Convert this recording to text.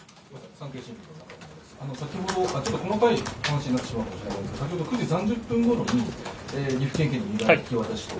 先ほど、ちょっと細かい話になってしまうかもしれないんですけど、先ほど９時３０分ごろに、岐阜県警に身柄を引き渡しと。